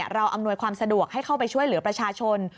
อำนวยความสะดวกให้เข้าไปช่วยเหลือประชาชน